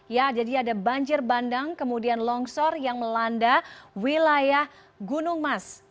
ya jadi ada banjir bandang kemudian longsor yang melanda wilayah gunung mas